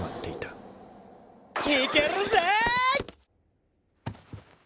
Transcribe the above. いけるぜ！